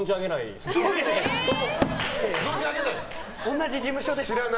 同じ事務所でしょ。